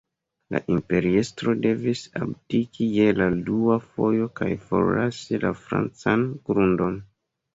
La imperiestro devis abdiki je la dua fojo kaj forlasi la francan grundon.